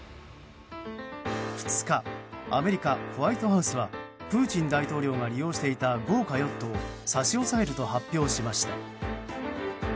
２日アメリカ・ホワイトハウスはプーチン大統領が利用していた豪華ヨットを差し押さえると発表しました。